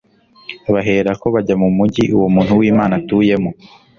baherako bajya mu mugi uwo muntu w'imana atuyemo